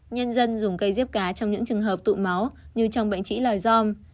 nhân dân dùng cây diếp cá trong những trường hợp tụ máu như trong bệnh trĩ lòi giom